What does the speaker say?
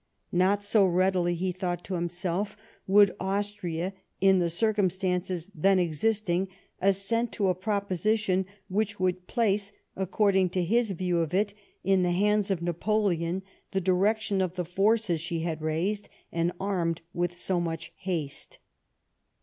Not so readily, he thought to himself, would Austria, in the circumstances then existing, assent to a proposition which would place, according to his view of it, in the hands of Napoleon, the direction of the forces she had raised and armed with so much haste.